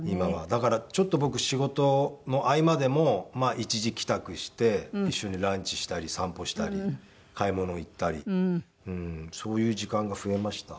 だからちょっと僕仕事の合間でも一時帰宅して一緒にランチしたり散歩したり買い物行ったりそういう時間が増えました。